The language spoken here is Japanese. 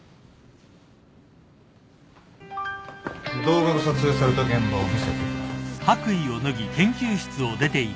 動画が撮影された現場を見せてくれ。